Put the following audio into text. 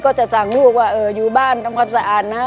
ก็จะสั่งลูกว่าอยู่บ้านทำความสะอาดนะ